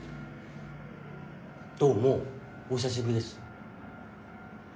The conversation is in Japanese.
どうもお久しぶりです。